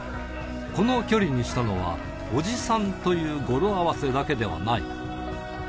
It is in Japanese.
この距離にしたのは、おじさんという語呂合わせだけではない。